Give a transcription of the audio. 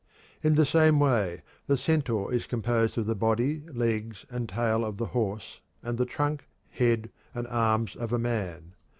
In the same way the centaur is composed of the body, legs, and tail of the horse and the trunk, head, and arms of a man.